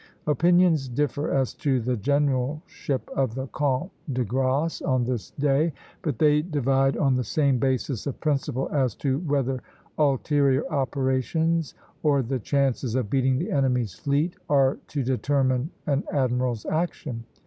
Opinions differ as to the generalship of the Comte de Grasse on this day, but they divide on the same basis of principle as to whether ulterior operations, or the chances of beating the enemy's fleet, are to determine an admiral's action.